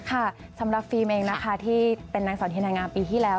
ค่ะสำหรับฟิล์มเองนะคะที่เป็นนางสาวเฮนางงามปีที่แล้ว